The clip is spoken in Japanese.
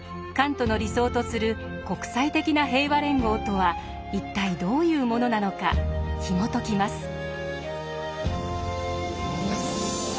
カントの理想とする「国際的な平和連合」とは一体どういうものなのかひもときます。